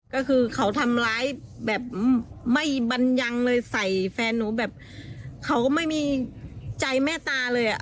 ก็คือเขาทำร้ายแบบไม่บรรยังเลยใส่แฟนหนูแบบเขาก็ไม่มีใจแม่ตาเลยอ่ะ